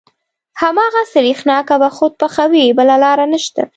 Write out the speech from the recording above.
هماغه سرېښناکه به خود پخوې بله لاره نشته.